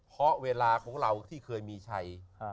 เพราะเวลาของเราที่เคยมีชัย